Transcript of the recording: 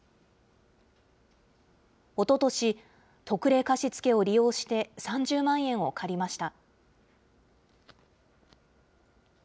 おととし、特例貸付を利用して、３０万円を借りました。